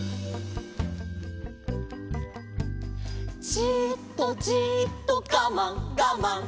「じーっとじーっとガマンガマン」